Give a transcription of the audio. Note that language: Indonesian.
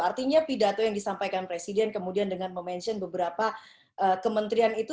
artinya pidato yang disampaikan presiden kemudian dengan memention beberapa kementerian itu